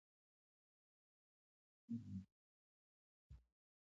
تر زبېښونکو بنسټونو لاندې اقتصادي وده ممکنه ده.